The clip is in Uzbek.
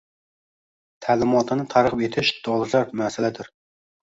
Ta’limotini targ‘ib etish – dolzarb masaladir.